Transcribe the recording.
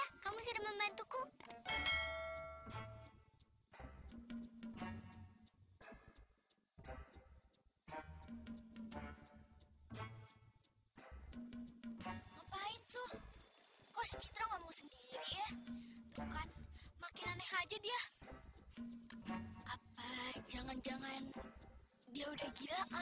hai apa itu kau cintamu sendiri ya bukan makin aneh aja dia apa jangan jangan dia udah gila ya